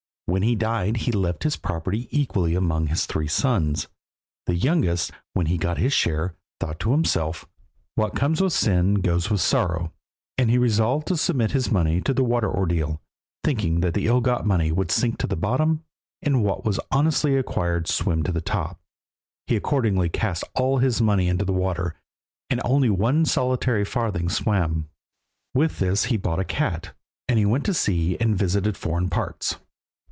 When he died he left his property equally among his three sons. The youngest, when he got his share, thought to himself "What comes with sin goes with sorrow," and he resolved to submit his money to the water ordeal, thinking that the ill got money would sink to the bottom, and what was honestly acquired swim on the top. He accordingly cast all his money into the water, and only one solitary farthing swam. With this he bought a cat, and he went to sea and visited foreign parts.